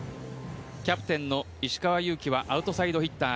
キャプテンの石川祐希はアウトサイドヒッター。